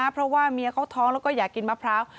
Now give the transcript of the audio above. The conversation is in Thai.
เพราะว่าเมียเขาท้องแล้วก็อยากกินมะพร้าว